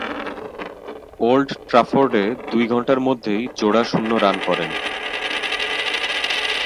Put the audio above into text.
Old ট্রাফোর্ডে দুই ঘণ্টার মধ্যেই জোড়া শূন্য রান করেন।